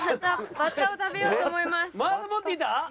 また持ってきた？